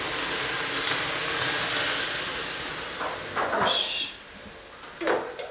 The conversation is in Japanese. よし。